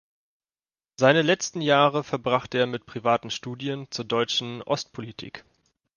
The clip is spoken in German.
Seine letzten Jahre verbrachte er mit privaten Studien zur deutschen Ostpolitik.